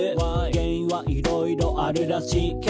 「原因はいろいろあるらしいけど」